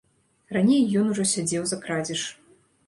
Раней ён ужо сядзеў за крадзеж.